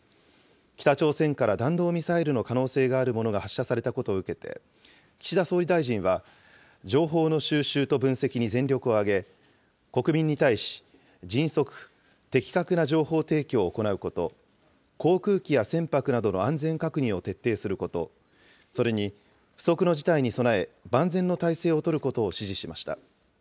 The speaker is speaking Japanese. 北朝鮮から弾道ミサイルの可能性のあるものが発射されたことを受けて、岸田総理大臣は、情報の収集と分析に全力を挙げ、国民に対し迅速・的確な情報提供を行うこと、航空機や船舶などの安全確認を徹底すること、それに不測の事態に備え、万全の態勢を取ることを指示しました。